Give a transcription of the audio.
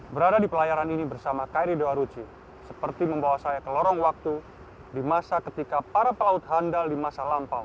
berada di pelayaran ini bersama kri doa ruchi seperti membawa saya ke lorong waktu di masa ketika para pelaut handal di masa lampau